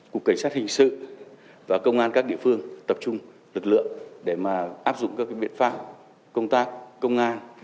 cục cảnh sát hình sự và công an các địa phương tập trung lực lượng để áp dụng các biện pháp công tác công an